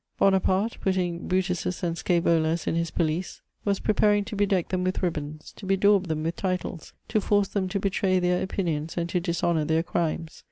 Bonaparte, putting Brutuses and Scsevolas in his police, was preparing to bedeck VOL. I. 2 m 456 MEMOIBS OF CHATEAUBRIAND. them with ribbons, to bedaub them with titles, to force them to betray their opinions, and to dishonour their crimes.